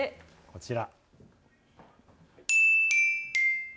こちら。